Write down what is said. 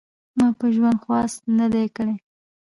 ما په ژوند خواست نه دی کړی .